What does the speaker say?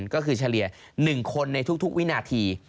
ก็คือเฉลี่ย๑คนในทุกวินาที